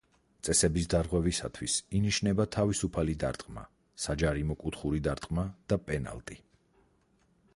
წესების დარღვევისათვის ინიშნება თვისუფალი დარტყმა, საჯარიმო კუთხური დარტყმა და პენალტი.